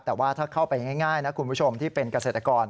แต่ว่าถ้าเข้าไปง่ายนะคุณผู้ชมที่เป็นเกษตรกร